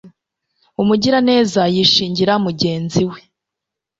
umugiraneza yishingira mugenzi we